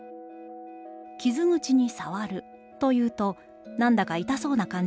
「傷口に『さわる』というと、何だか痛そうな感じがします。